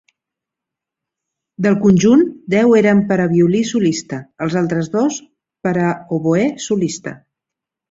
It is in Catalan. Del conjunt, deu eren per a violí solista; els altres dos, per a oboè solista.